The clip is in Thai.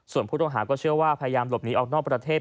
ส่วนผู้ต้องหาก็เชื่อว่าพยายามหลบหนีออกนอกประเทศ